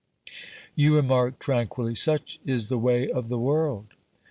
You remark tranquilly :" Such is the way of the world."